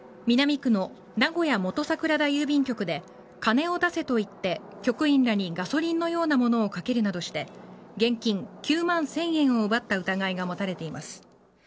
南区の名古屋元桜田郵便局で金を出せと言って局員らにガソリンのようなものをかけるなどして現金９万１０００円を奪った疑いが持たれています。